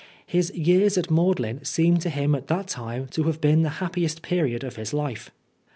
His years at Magdalen seemed to him at that time to have been the happiest period of his life.